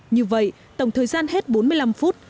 như vậy tổng thời gian hết bốn mươi năm phút